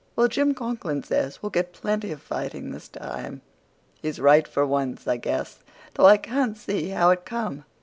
"Well, Jim Conklin says we'll get plenty of fighting this time." "He's right for once, I guess, though I can't see how it come.